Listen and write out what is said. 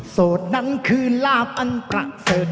โสดนั้นคือลาบอันปรักเศิษฐ์